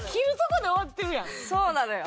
そうなのよ。